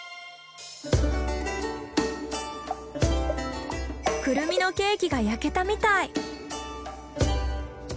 クルミのケーキが焼けたみたい。